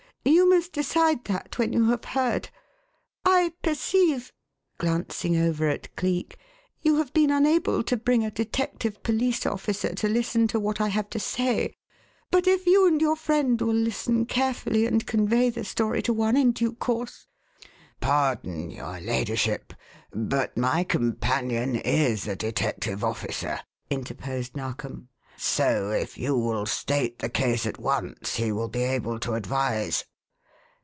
You must decide that when you have heard. I perceive" glancing over at Cleek "you have been unable to bring a detective police officer to listen to what I have to say, but if you and your friend will listen carefully and convey the story to one in due course " "Pardon, your ladyship, but my companion is a detective officer," interposed Narkom. "So if you will state the case at once he will be able to advise."